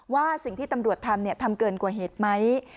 ว่าสิ่งที่ตำรวจทำทำเกินกว่าเหตุไหม